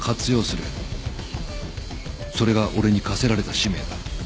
それが俺に課せられた使命だ。